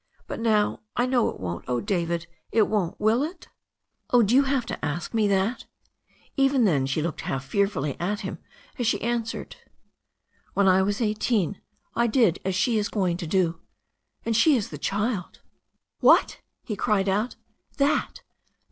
But now I know it won't, oh, David, it won't, v^vVV \\.\" 334 THE STORY OF A NEW ZEALAND RIVER "Oh, do you have to ask me that?" Even then she Idoked half fearfully at him as she an swered. "When I was eighteen I did as she is going to do, and she is the child." "What !" he cried out. "That